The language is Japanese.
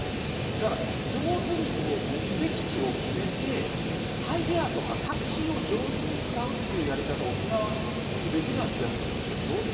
だから、上手に目的地を決めて、ハイヤーとかタクシーを上手に使うというやり方、沖縄、僕できるような気がするんですけど。